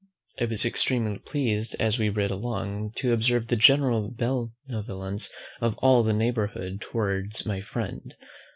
I was extremely pleased, as we rid along, to observe the general benevolence of all the neighbourhood towards my friend.